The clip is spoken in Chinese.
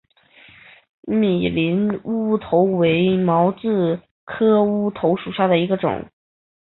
米林乌头为毛茛科乌头属下的一个种。